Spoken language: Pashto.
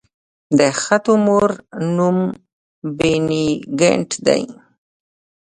د ښه تومور نوم بېنیګنټ دی.